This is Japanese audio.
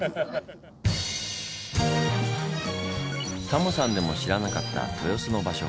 タモさんでも知らなかった豊洲の場所。